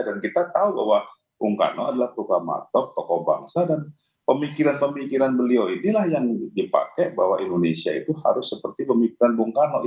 dan kita tahu bahwa bung karno adalah programator tokoh bangsa dan pemikiran pemikiran beliau itulah yang dipakai bahwa indonesia itu harus seperti itu